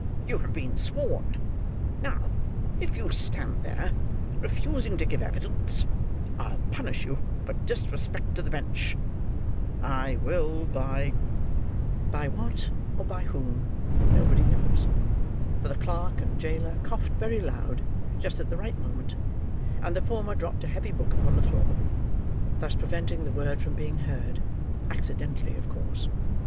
You have been sworn. Now, if you stand there, refusing to give evidence, I'll punish you for disrespect to the bench; I will, by—" By what, or by whom, nobody knows, for the clerk and jailor coughed very loud, just at the right moment; and the former dropped a heavy book upon the floor, thus preventing the word from being heard—accidently, of course.